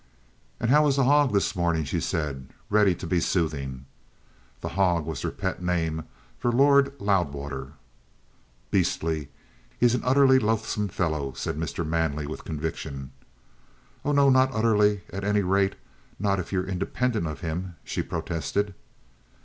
"And how was the hog this morning?" she said, ready to be soothing. "The hog" was their pet name for Lord Loudwater. "Beastly. He's an utterly loathsome fellow," said Mr. Manley with conviction. "Oh, no; not utterly at any rate, not if you're independent of him," she protested.